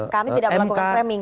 kami tidak melakukan framing